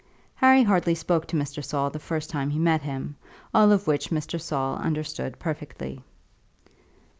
Harry hardly spoke to Mr. Saul the first time he met him, all of which Mr. Saul understood perfectly.